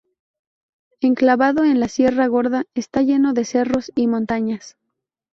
Enclavado en la Sierra Gorda, está lleno de cerros y montañas.